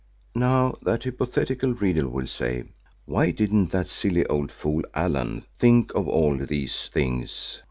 Now that hypothetical reader will say, "Why didn't that silly old fool, Allan, think of all these things?